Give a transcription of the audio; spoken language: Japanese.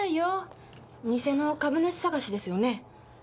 偽の株主探しですよね？